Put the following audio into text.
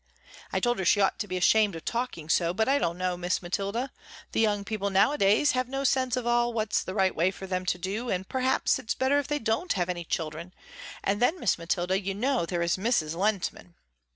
I told her she ought to be ashamed of talking so, but I don't know, Miss Mathilda, the young people nowadays have no sense at all of what's the right way for them to do, and perhaps its better if they don't have any children, and then Miss Mathilda you know there is Mrs. Lehntman.